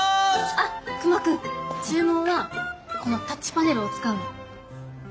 あっ熊くん注文はこのタッチパネルを使うの。